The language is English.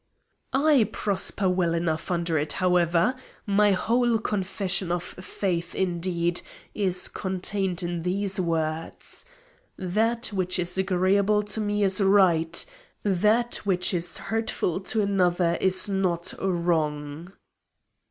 "I prosper well enough under it, however. My whole confession of faith, indeed, is contained in these words: 'That which is agreeable to me is right; that which is hurtful to another is not wrong.'"